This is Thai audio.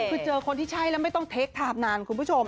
คือเจอคนที่ใช่แล้วไม่ต้องเทคทาบนานคุณผู้ชม